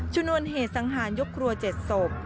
ชนวนเหตุสังหารยกรัวเจ็ดสบ